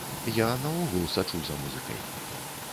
Я наогул сачу за музыкай.